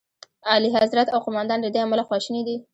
اعلیخضرت او قوماندان له دې امله خواشیني دي.